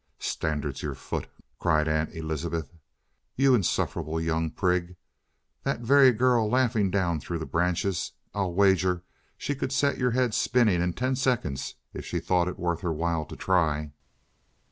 "Standards your foot!" cried Aunt Elizabeth. "You insufferable young prig. That very girl laughing down through the branches I'll wager she could set your head spinning in ten seconds if she thought it worth her while to try."